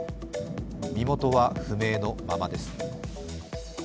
身元は不明のままです。